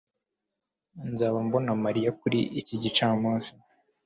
nzaba mbona mariya kuri iki gicamunsi